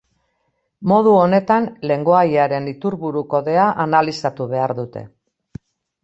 Modu honetan lengoaiaren iturburu-kodea analizatu behar dute.